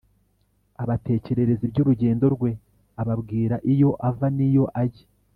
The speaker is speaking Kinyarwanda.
abatekerereza iby’urugendo rwe, ababwira iyo ava niyo ajya